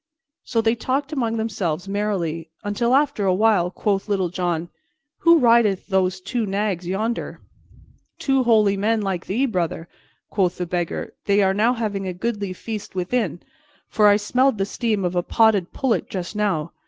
So they talked among themselves merrily, until after a while quoth Little John, "Who rideth those two nags yonder?" "Two holy men like thee, brother," quoth the Beggar. "They are now having a goodly feast within, for I smelled the steam of a boiled pullet just now.